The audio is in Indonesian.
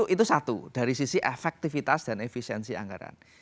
itu satu dari sisi efektivitas dan efisiensi anggaran